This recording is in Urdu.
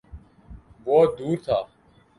وہ دور تھا۔